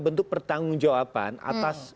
bentuk pertanggung jawaban atas